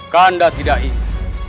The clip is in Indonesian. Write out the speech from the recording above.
kanda tidak ingin